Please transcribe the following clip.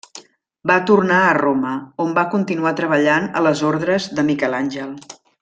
Va tornar a Roma, on va continuar treballant a les ordres de Miquel Àngel.